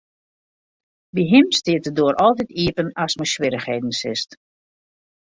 By him stiet de doar altyd iepen ast mei swierrichheden sitst.